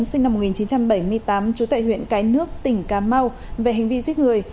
sinh năm một nghìn chín trăm bảy mươi tám trú tại huyện cái nước tỉnh cà mau về hành vi giết người